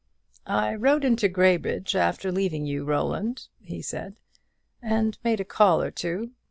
"I rode into Graybridge after leaving you, Roland," he said, "and made a call or two.